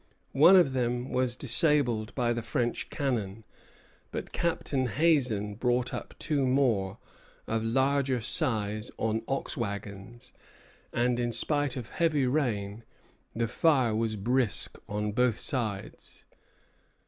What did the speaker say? One of them was disabled by the French cannon, but Captain Hazen brought up two more, of larger size, on ox wagons; and, in spite of heavy rain, the fire was brisk on both sides.